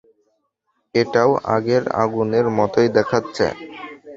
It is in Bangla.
এটাও আগের আগুনের মতোই দেখাচ্ছে।